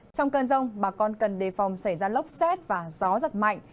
trong cơn rông bà con cần đề phòng xảy ra lốc xét và gió giật mạnh